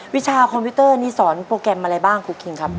วิชาคอมพิวเตอร์นี่สอนโปรแกรมอะไรบ้างครูคิงครับ